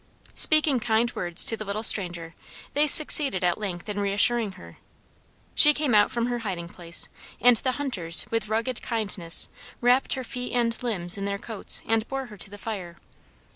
Speaking kind words to the little stranger they succeeded at length in reassuring her. She came out from her hiding place, and the hunters with rugged kindness wrapped her feet and limbs in their coats and bore her to the fire.